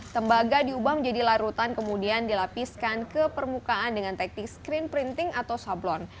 tembaga diubah menjadi larutan kemudian dilapiskan ke permukaan dengan teknik screen printing atau sablon